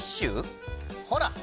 ほら！